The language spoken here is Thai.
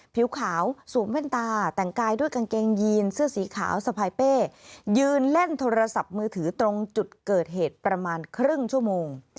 ผิวขาวสวมแว่นตาแต่งกายด้วยกางเกงยีนเสื้อสีขาวสะพายเป้ยืนเล่นโทรศัพท์มือถือตรงจุดเกิดเหตุประมาณครึ่งชั่วโมง